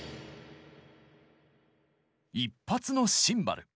１発のシンバル。